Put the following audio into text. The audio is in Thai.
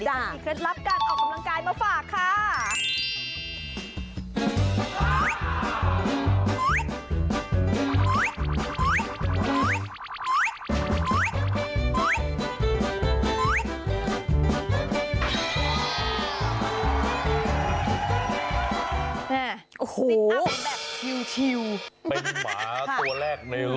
ยังมีเคล็ดลับการออกกำลังกายมาฝากค่ะ